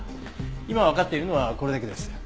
今わかっているのはこれだけです。